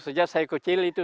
sejak saya kecil itu